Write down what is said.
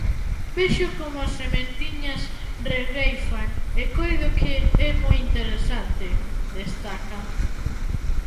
"Vexo como as sementiñas regueifan e coido que é moi interesante", destaca.